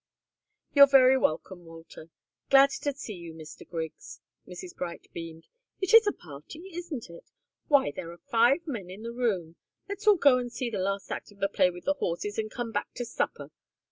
"You're very welcome, Walter glad to see you, Mr. Griggs." Mrs. Bright beamed. "It is a party isn't it? Why, there are five men in the room. Let's all go and see the last act of the play with the horses, and come back to supper!